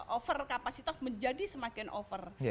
over kapasitas menjadi semakin over